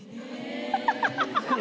ハハハハ。